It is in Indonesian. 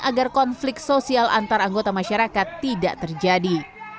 agar konflik sosial antaranggota masyarakat tidak terjadi